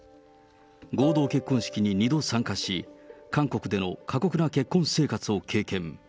合同結婚式に２度参加し、韓国での過酷な結婚生活を経験。